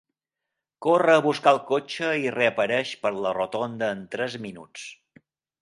Corre a buscar el cotxe i reapareix per la rotonda en tres minuts.